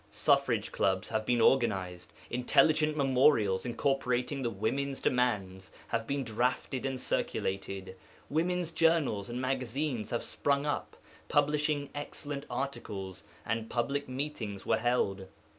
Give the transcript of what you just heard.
Suffrage clubs have been organized, intelligent memorials incorporating the women's demands have been drafted and circulated; women's journals and magazines have sprung up, publishing excellent articles; and public meetings were held.